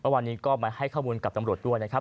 วันที่นี้ก็ให้ข้อมูลให้กับตับรวจด้วยนะครับ